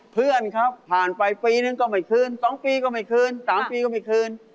เพื่อนครับผ่านไปปีนึงก็ไม่คืน๒ปีก็ไม่คืน๓ปีก็ไม่คืน